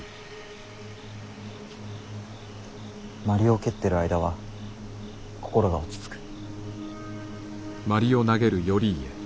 鞠を蹴ってる間は心が落ち着く。